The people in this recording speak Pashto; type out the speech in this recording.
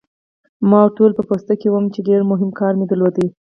ما ورته وویل: په پوسته کې وم، چې ډېر مهم کار مې درلود.